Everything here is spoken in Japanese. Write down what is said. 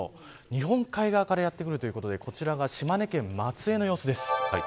日本海側からやってくるということで、こちらは島根県、松江の様子です。